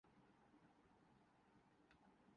corona virus کی وبا کے دوران